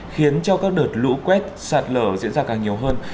khiến cho các đợt lũ quét sạt lở diễn ra càng nhiều hơn